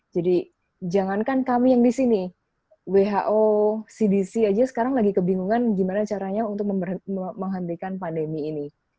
jadi jangankan kami yang di sini who cdc aja sekarang lagi kebingungan gimana caranya untuk menghentikan pandemi ini